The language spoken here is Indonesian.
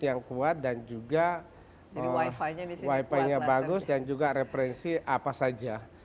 yang kuat dan juga wifi nya bagus dan juga referensi apa saja